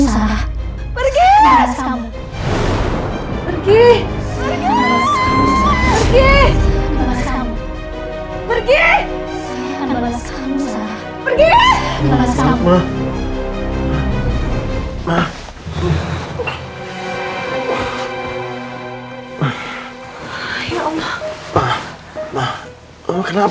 saya akan balas kamu sarah